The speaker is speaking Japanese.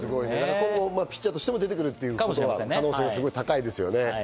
今後ピッチャーとしても出てくる可能性が高いですよね。